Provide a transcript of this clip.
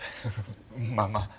まあまあ。